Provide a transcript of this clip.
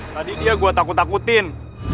tadi dia gue takut takutin